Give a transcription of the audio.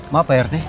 maaf pak yarti